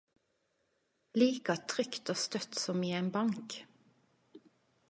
Like trygt og stødt som i ein bank.